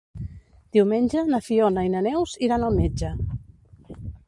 Diumenge na Fiona i na Neus iran al metge.